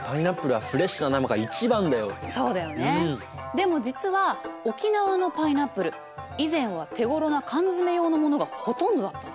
でも実は沖縄のパイナップル以前は手ごろな缶詰用のものがほとんどだったの。